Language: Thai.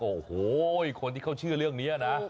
โอ้โหคนที่เขาเชื่อเรื่องนี้นะ